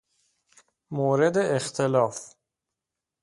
مورد اختلاف